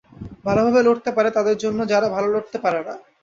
ভালোভাবে লড়তে পারে, তাদের জন্যে, যারা ভালো লড়তে পারে না।